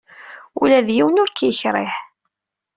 Ula d yiwen ur k-yekṛih.